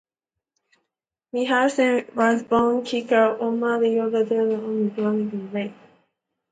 Milhausen was born in Kitchener, Ontario and raised in Collingwood, Ontario, on Georgian Bay.